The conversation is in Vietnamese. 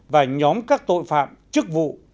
và nhóm các tội phạm chức vụ